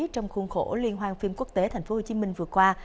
trong khuôn khổ liên hoan phim quốc tế tp hcm vừa qua